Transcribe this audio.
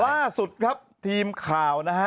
ล่าสุดครับทีมข่าวนะฮะ